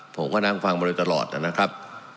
ผมก็นั่งฟังมาโดยตลอดนะครับ